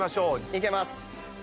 いけます。